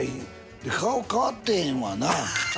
で顔変わってへんわな。